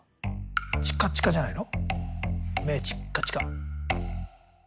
「チカチカ」じゃないの？